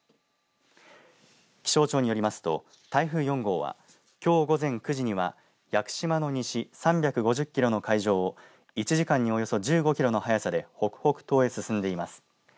気象庁によりますと台風４号はきょう午前９時には屋久島の西３５０キロの海上を１時間におよそ１５キロの速さで北北東へ進んでいます。